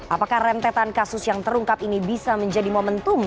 apakah rentetan kasus yang terungkap ini bisa menjadi momentum